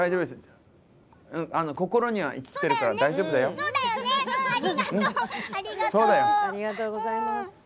でも、大丈夫です。